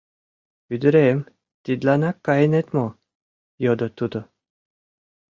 — Ӱдырем, тидланак кайынет мо? — йодо тудо.